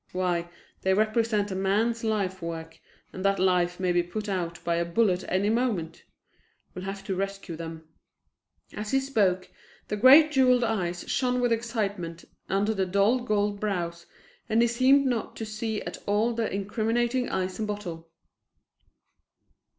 Why, they represent a man's life work, and that life may be put out by a bullet any moment! We'll have to rescue them." As he spoke, the great jeweled eyes shone with excitement under the dull gold brows and he seemed not to see at all the incriminating ice and bottle.